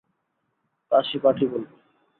কাশী পাঠি বলবে।